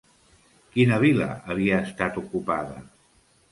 Quina vila havia estat ocupada?